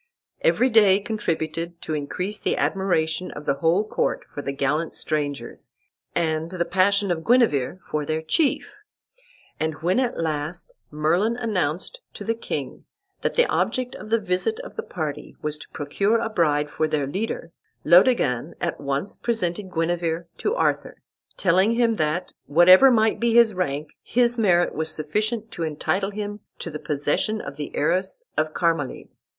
Every day contributed to increase the admiration of the whole court for the gallant strangers, and the passion of Guenever for their chief; and when at last Merlin announced to the king that the object of the visit of the party was to procure a bride for their leader, Laodegan at once presented Guenever to Arthur, telling him that, whatever might be his rank, his merit was sufficient to entitle him to the possession of the heiress of Carmalide.